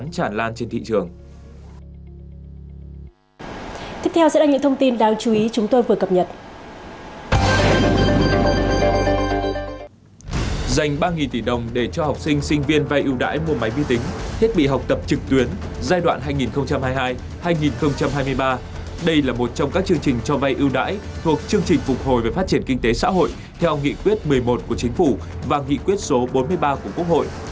chương trình phục hồi về phát triển kinh tế xã hội theo nghị quyết một mươi một của chính phủ và nghị quyết số bốn mươi ba của quốc hội